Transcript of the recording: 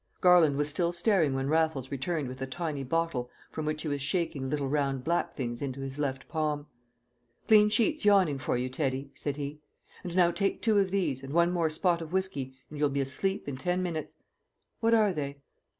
Garland was still staring when Raffles returned with a tiny bottle from which he was shaking little round black things into his left palm. "Clean sheets yawning for you, Teddy," said he. "And now take two of these, and one more spot of whisky, and you'll be asleep in ten minutes." "What are they?"